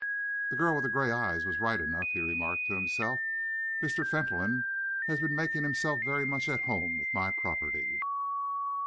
"The girl with the grey eyes was right enough," he remarked to himself. "Mr. Fentolin has been making himself very much at home with my property."